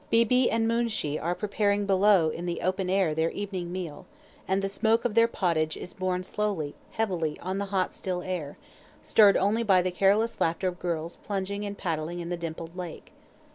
Beebe and Moonshee are preparing below in the open air their evening meal; and the smoke of their pottage is borne slowly, heavily on the hot still air, stirred only by the careless laughter of girls plunging and paddling in the dimpled lake.